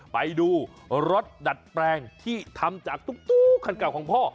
ไปดูรถดัดแปลงที่ทำจากตุ๊กคันเก่าของพ่อ